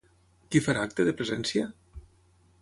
Qui farà acte de presència?